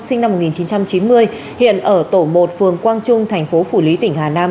sinh năm một nghìn chín trăm chín mươi hiện ở tổ một phường quang trung thành phố phủ lý tỉnh hà nam